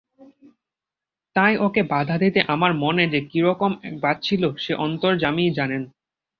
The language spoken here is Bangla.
তাই ওকে বাধা দিতে আমার মনে যে কী রকম বাজছিল সে অন্তর্যামীই জানেন।